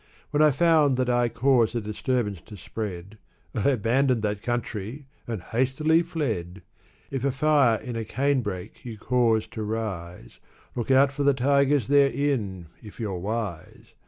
When I found that I caused a disturbance to spread, I abandoned that country and hastily fled. If a fire in a cane brake you cause to rise, Look out for the tigers therein, if youVe wise !